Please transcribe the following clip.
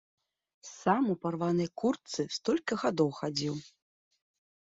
Сам у парванай куртцы столькі гадоў хадзіў.